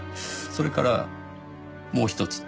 それからもうひとつ。